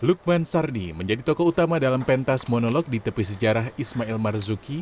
lukman sardi menjadi tokoh utama dalam pentas monolog di tepi sejarah ismail marzuki